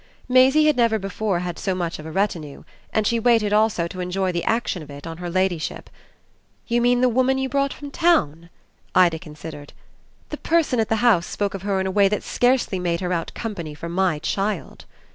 Maisie had never before had so much of a retinue, and she waited also to enjoy the action of it on her ladyship. "You mean the woman you brought from town?" Ida considered. "The person at the house spoke of her in a way that scarcely made her out company for my child."